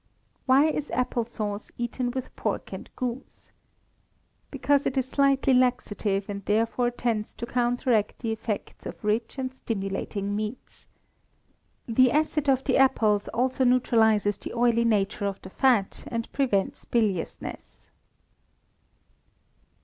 Why is apple sauce eaten with pork and goose? Because it is slightly laxative, and therefore tends to counteract the effects of rich and stimulating meats. The acid of the apples also neutralizes the oily nature of the fat, and prevents biliousness.